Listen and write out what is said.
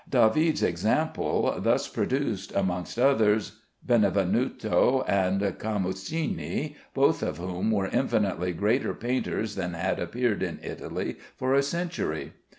David's example thus produced, amongst others, Benvenuto and Camuccini, both of whom were infinitely greater painters than had appeared in Italy for a century.